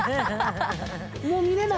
もう見れない。